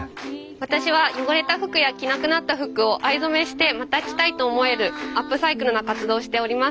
私は汚れた服や着なくなった服を藍染めしてまた着たいと思えるアップサイクルな活動をしております。